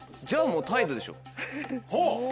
じゃあもう態度でしょ。